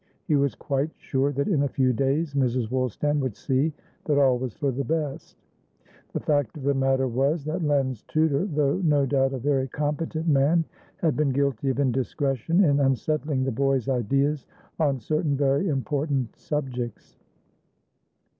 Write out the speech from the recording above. He was quite sure that in a few days Mrs. Woolstan would see that all was for the best. The fact of the matter was that Len's tutor, though no doubt a very competent man, had been guilty of indiscretion in unsettling the boy's ideas on certain very important subjects.